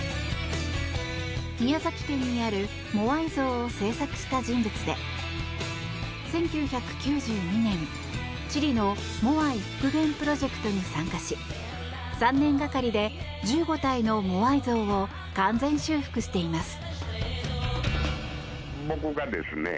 宮崎県にあるモアイ像を製作した人物で１９９２年、チリのモアイ復元プロジェクトに参加し３年がかりで１５体のモアイ像を完全修復しています。